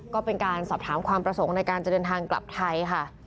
ก็เป็นการสอบถามความประสงค์ในการจะเดินทางกลับไทยค่ะ